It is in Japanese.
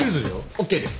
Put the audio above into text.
ＯＫです。